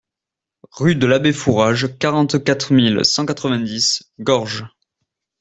Rue de l'Abbé Fourage, quarante-quatre mille cent quatre-vingt-dix Gorges